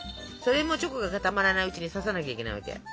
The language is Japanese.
それもチョコが固まらないうちに刺さなきゃいけないわけ。